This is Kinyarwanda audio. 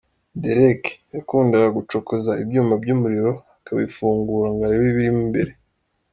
Derek : Yakundaga gucokoza ibyuma by’umuriro, akabifungura ngo arebe ibirimo imbere.